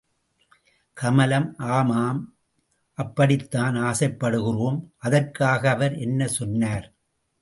கமலம் ஆமாம் அப்படித்தான் ஆசைப்படுகிறோம், அதற்காக அவர் என்ன சொன்னார்?